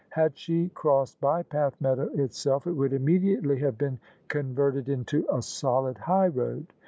Had she crossed Bypath Meadow itself, it would immediately have been converted into a solid highroad.